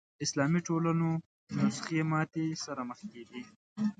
اسلامي ټولنو نسخې ماتې سره مخ کېدې